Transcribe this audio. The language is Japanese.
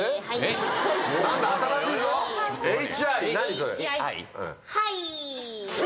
それ。